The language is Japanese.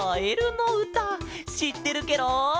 しってるケロ！